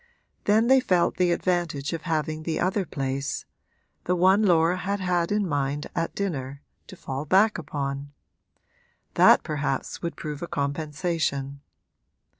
Then they felt the advantage of having the other place the one Laura had had in mind at dinner to fall back upon: that perhaps would prove a compensation.